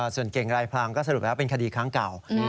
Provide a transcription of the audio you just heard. ส่วนเก่งรายพลางก็สรุปแล้วเป็นคดีครั้งเก่า